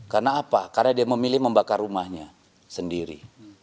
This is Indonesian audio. karena apa karena dia memilih membakar rumahnya sendiri